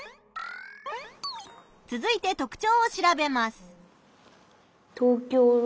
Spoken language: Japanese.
つづいて特徴を調べます。